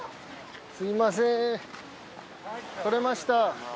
すみません取れました。